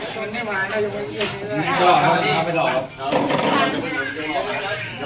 ขอบคุณครับ